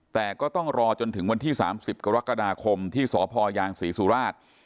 แต่ก็ต้องรอจนถึงวันที่๓๐กรกฎาคมที่สพยางศรีสุราช